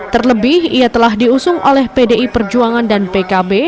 terlebih ia telah diusung oleh pdi perjuangan dan pkb